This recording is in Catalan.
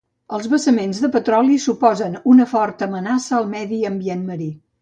Els vessaments de petroli suposen una forta amenaça al medi ambient marí.